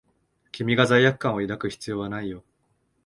君が罪悪感を抱く必要はないよ。